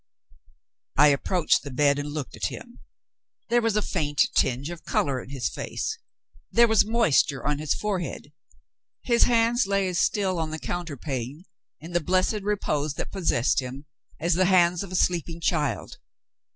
I approached the bed and looked at him. There was a faint tinge of color in his face; there was moisture on his forehead; his hands lay as still on the counterpane, in the blessed repose that possessed him, as the hands of a sleeping child.